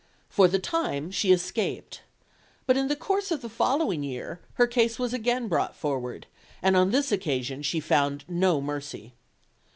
For the time she escaped; but in the course of the following year her case was again brought forward, and on this occasion she found no mercy.